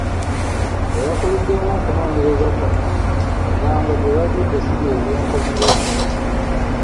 Eyakuliddemu okunoonyereza kuno agamba bye bazudde si bye byenkomeredde.